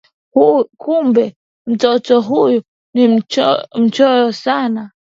Kumbe mtoto huyu ni mchoyo sana